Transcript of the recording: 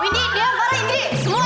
windy diam parah semuanya